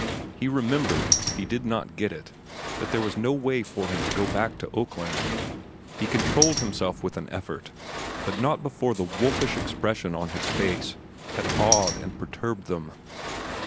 He remembered, if he did not get it, that there was no way for him to go back to Oakland. He controlled himself with an effort, but not before the wolfish expression of his face had awed and perturbed them.